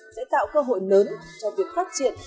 sẽ tạo cơ hội lớn cho việc phát triển